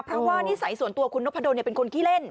เพราะว่านิสัยส่วนตัวคุณนพดลเป็นคนขี้เล่น